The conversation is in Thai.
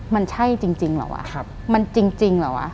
มันใช่จริงเหรอวะมันจริงเหรอวะ